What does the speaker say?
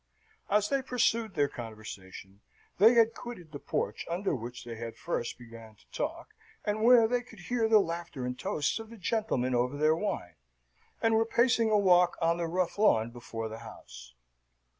As they pursued their conversation, they had quitted the porch under which they had first began to talk, and where they could hear the laughter and toasts of the gentlemen over their wine, and were pacing a walk on the rough lawn before the house.